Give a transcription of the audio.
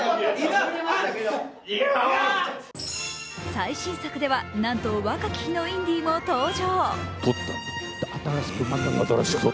最新作ではなんと若き日のインディも登場。